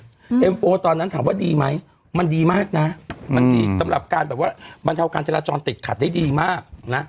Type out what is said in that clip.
กูตอนนี้ถามว่าดรมไอมันดีมากนะสำหรับการแบบว่ามันใจวงกาลจรติดขัดได้ดีมากนะ